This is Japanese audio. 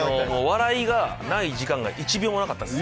笑いがない時間が１秒もなかったです。